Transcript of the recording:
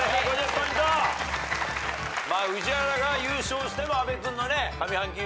まあ宇治原が優勝しても阿部君のね上半期優勝になりますから。